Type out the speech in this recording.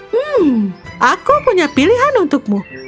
hmm aku punya pilihan untukmu